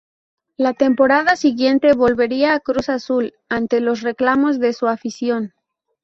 A la temporada siguiente volvería a Cruz Azul ante los reclamos de su afición.